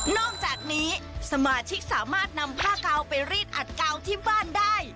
อกจากนี้สมาชิกสามารถนำผ้ากาวไปรีดอัดกาวที่บ้านได้